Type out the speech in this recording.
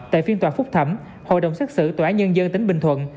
tại phiên tòa phúc thẩm hội đồng xét xử tòa án nhân dân tỉnh bình thuận